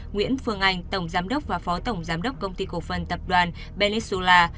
nguyễn phương anh tổng giám đốc và phó tổng giám đốc công ty cổ phân tập đoàn venezuela